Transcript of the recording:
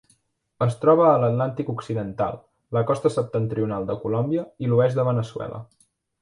Es troba a l'Atlàntic occidental: la costa septentrional de Colòmbia i l'oest de Veneçuela.